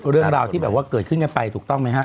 เรื่องราวที่แบบว่าเกิดขึ้นกันไปถูกต้องไหมฮะ